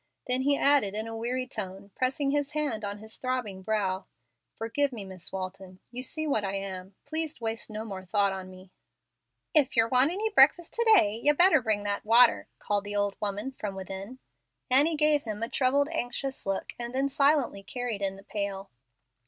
Then he added in a weary tone, pressing his hand on his throbbing brow, "Forgive me, Miss Walton; you see what I am. Please waste no more thought on me." "If yer want any breakfast to day, yer better bring that water," called the old woman from within. Annie gave him a troubled, anxious look, and then silently carried in the pail.